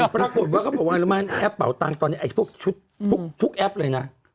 ปรากฏว่าเขาบอกว่ารู้ไหมแอปเป่าตังค์ตอนนี้พวกชุดทุกแอปเลยนะ